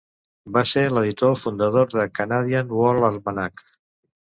Va ser l'editor fundador de "Canadian World Almanac".